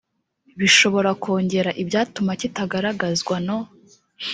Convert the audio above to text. bishobora kongera ibyatuma kitagaragazwa no